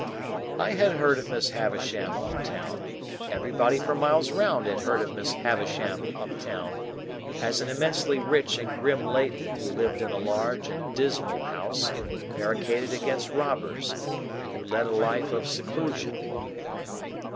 I had heard of Miss Havisham up town,—everybody for miles round had heard of Miss Havisham up town,—as an immensely rich and grim lady who lived in a large and dismal house barricaded against robbers, and who led a life of seclusion.